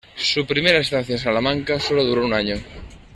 Su primera estancia en Salamanca solo duró un año.